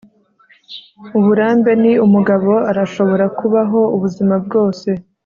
uburambe ni. umugabo arashobora kubaho ubuzima bwose